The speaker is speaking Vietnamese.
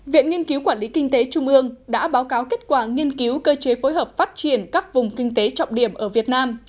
viện nghiên cứu quản lý kinh tế trung ương đã báo cáo kết quả nghiên cứu cơ chế phối hợp phát triển các vùng kinh tế trọng điểm ở việt nam